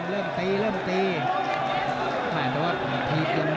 เรื่องของเรื่องนี้ยังตีไม่ได้